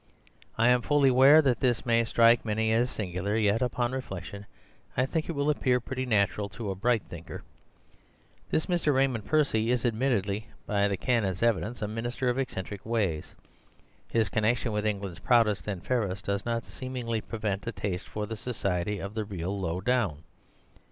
I am fully aware that this may strike many as sing'lar; yet, upon reflection, I think it will appear pretty natural to a bright thinker. This Mr. Raymond Percy is admittedly, by the canon's evidence, a minister of eccentric ways. His con nection with England's proudest and fairest does not seemingly prevent a taste for the society of the real low down.